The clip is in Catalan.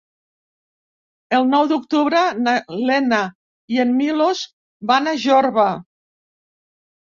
El nou d'octubre na Lena i en Milos van a Jorba.